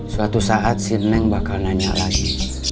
suatu saat si neng bakal nanya lagi